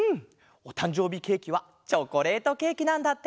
おたんじょうびケーキはチョコレートケーキなんだって！